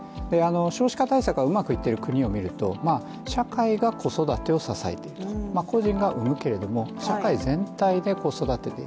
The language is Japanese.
少子化対策がうまくいっている国をみると、社会が子育てを支えている、個人が生むけれども、社会全体で子育て。